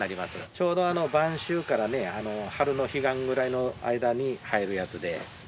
ちょうど晩秋から春の彼岸くらいの間に生えるやつで。